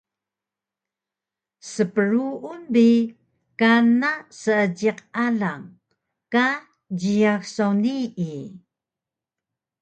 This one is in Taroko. Spruun bi kana seejiq alang ka jiyax saw nii